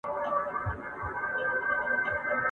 هر سيلاب يې بتشکن دی ..